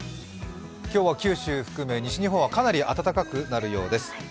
今日は九州含め西日本はかなり暖かくなりそうです。